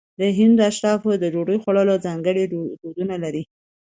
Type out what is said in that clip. هندو اشرافو هم د ډوډۍ خوړلو ځانګړي دودونه لرل.